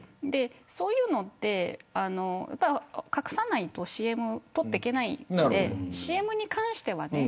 そういうのって隠さないとＣＭ取っていけないのでＣＭに関してはね